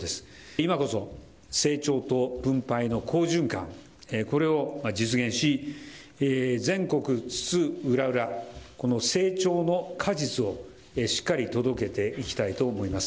今こそ成長と分配の好循環、これを実現し、全国津々浦々、この成長の果実をしっかり届けていきたいと思います。